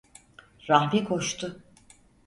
Rahmi koştu.